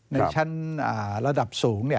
ในชั้นระดับสูงเนี่ย